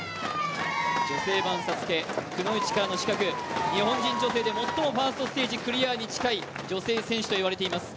女性版ＳＡＳＵＫＥ、くノ一からの刺客日本人女性で最もファーストステージクリアへ近い女性選手と言われています。